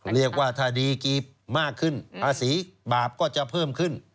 เรียกว่าถ้าดีมากขึ้นภาษีบาปก็จะเพิ่มขึ้น